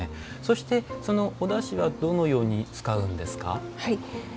そしてそのおだしはどのように使うんですか？